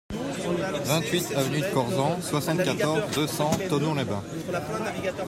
vingt-huit avenue de Corzent, soixante-quatorze, deux cents, Thonon-les-Bains